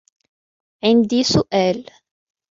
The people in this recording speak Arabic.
عندي سؤال.